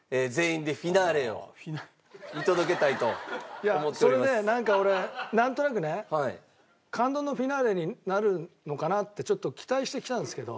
いやそれでなんか俺なんとなくね感動のフィナーレになるのかなってちょっと期待してきたんですけど。